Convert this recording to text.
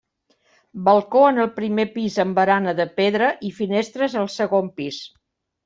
Balcó en el primer pis amb barana de pedra i finestres al segon pis.